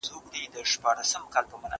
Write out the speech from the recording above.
زه مخکي مړۍ خوړلي وه؟